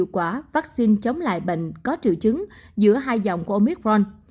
của vắc xin chống lại bệnh có triệu chứng giữa hai dòng của omicron